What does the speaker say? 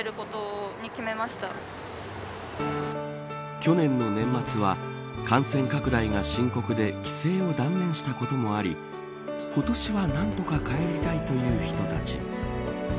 去年の年末は感染拡大が深刻で帰省を断念したこともあり今年は何とか帰りたいという人たち。